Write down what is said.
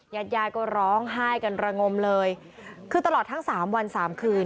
ยายก็ร้องไห้กันระงมเลยคือตลอดทั้งสามวันสามคืน